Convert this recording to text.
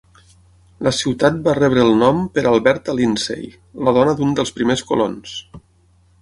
La ciutat va rebre el nom per Alberta Lindsey, la dona d'un dels primers colons.